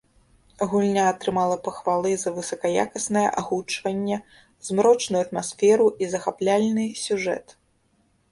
Гульня атрымала пахвалы за высакаякаснае агучванне, змрочную атмасферу і захапляльны сюжэт.